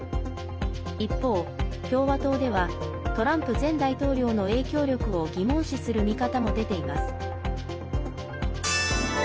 一方、共和党ではトランプ前大統領の影響力を疑問視する見方も出ています。